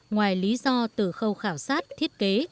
ngoài lý do từ khâu khảo sát thiết kế